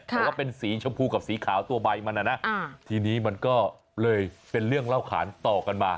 แต่ว่าเป็นสีชมพูกับสีขาวตัวใบมันนะทีนี้มันก็เลยเป็นเรื่องเล่าขานต่อกันมา